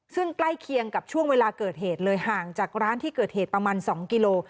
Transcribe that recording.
ซึ่งใกล้เคียงกับช่วงเวลาเกิดเหตุเลยห่างจากร้านที่เกิดเหตุประมาณ๒กิโล